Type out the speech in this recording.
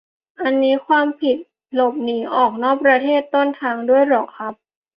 อันนี้มีความผิดหลบหนีออกนอกประเทศต้นทางด้วยเหรอครับ